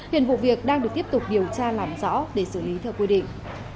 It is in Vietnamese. hiện vụ việc đang được tiếp tục điều tra làm rõ để xử lý theo quy định